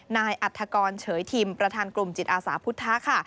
นายอัฐกรเฉยทิมประธานกลุ่มจิตอาสาพุทธค่ะ